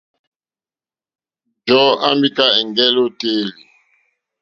Njɔ̀ɔ́ à mìká ɛ̀ŋgɛ́lɛ́ ô téèlì.